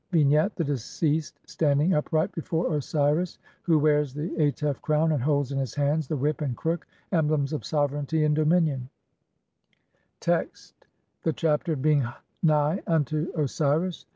210).] Vignette : The deceased standing upright before Osiris, who wears the Atef crown, and holds in his hands the whip and crook, emblems of sovereignty and dominion. HYMN TO OSIRIS. 347 Text : (1) The Chapter of being nigh unto Osiris.